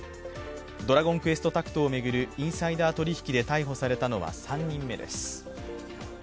「ドラゴンクエストタクト」を巡るインサイダー取引で逮捕されたのは３人目です。